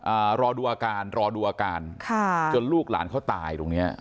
อ่ารอดูอาการรอดูอาการค่ะจนลูกหลานเขาตายตรงเนี้ย